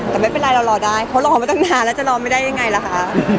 แต่ไม่เป็นไรเรารอได้เขารอมาตั้งนานแล้วจะรอไม่ได้ยังไงล่ะคะ